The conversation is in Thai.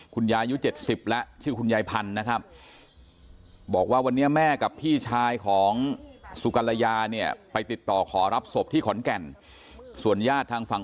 ก็จะเป็นอย่างสั้น